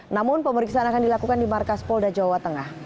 namun pemeriksaan akan dilakukan di markas polda jawa tengah